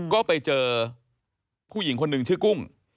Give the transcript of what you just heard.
ก็ไปเจอผู้หญิงคนหนึ่งชื่อกุ้ง